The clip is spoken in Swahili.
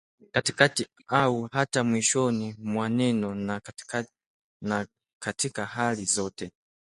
katikati au hata mwishoni mwa neno na katika hali zote